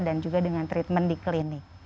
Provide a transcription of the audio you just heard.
dan juga dengan treatment di klinik